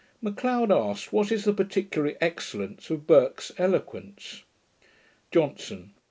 M'Leod asked, what is the particular excellence of Burke's eloquence? JOHNSON.